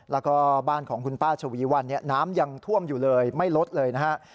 แล้วก็บ้านของคุณป้าชวีวันเนี่ยน้ำยังท่วมอยู่เลยไม่ลดเลยนะฮะ